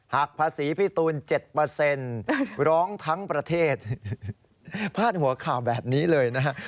หักภาษีพี่ตูน๗ร้องทั้งประเทศพาดหัวข่าวแบบนี้เลยนะฮะ